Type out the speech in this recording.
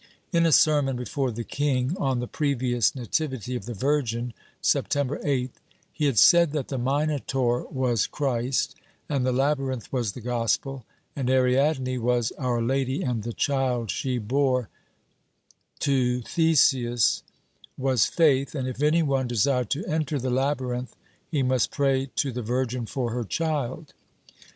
In a sermon before the king on the previous Nativity Coleccion, II, 136 65. Chap. VII] JOSEPH DE SIGUENZA 169 of the Virgin (September 8th) he had said that the Minotaur was Christ and the Labyrinth was the Gospel and Ariadne was Our Lady and the child she bore to Theseus was faith, and if any one desired to enter the Labyrinth he must pray to the Virgin for her child.